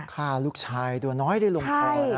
ฆ่าลูกชายโดยยังไม่ได้ลงกล่อ